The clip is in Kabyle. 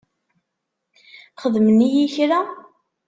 Xedmen-iyi kra?